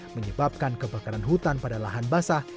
menyebabkan kebakaran hutan pada lahan basah